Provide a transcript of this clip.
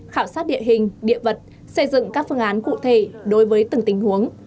khảo sát địa hình địa vật xây dựng các phương án cụ thể đối với từng tình huống